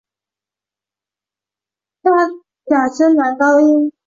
假声男高音。